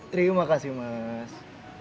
terima kasih mas